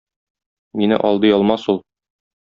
Мине алдый алмас ул.